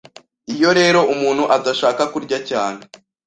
iyo rero umuntu adashaka kurya cyane,